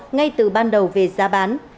ngay từ ban đầu về giá bán